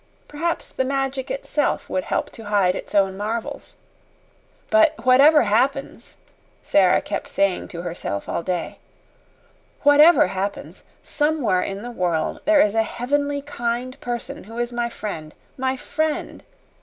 Perhaps the Magic itself would help to hide its own marvels. "But whatever happens," Sara kept saying to herself all day "WHATEVER happens, somewhere in the world there is a heavenly kind person who is my friend my friend.